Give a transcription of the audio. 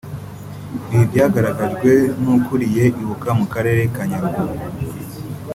Ibi byagaragajwe n’ukuriye Ibuka mu Karere ka Nyaruguru